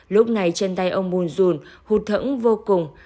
lúc này chân tay ông buồn ruồn hụt thẫn vô cùng